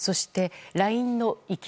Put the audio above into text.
ＬＩＮＥの生き